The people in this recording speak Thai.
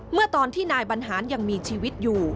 เมื่อตอนที่นายบรรหารยังมีชีวิตอยู่